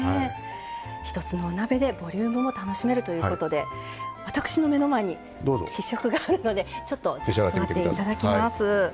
一つのお鍋でボリュームも楽しめるということで私の目の前に試食があるのでちょっと、いただきます。